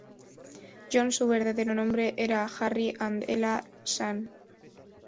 John, su verdadero nombre era Harry and Ella St.